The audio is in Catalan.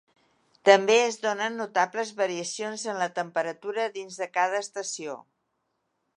També es donen notables variacions en la temperatura dins de cada estació.